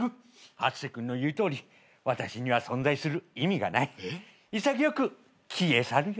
「初瀬君の言うとおり私には存在する意味がない」「潔く消え去るよ」